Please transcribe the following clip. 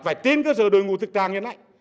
phải tiến cơ sở đội ngũ thực trang hiện nay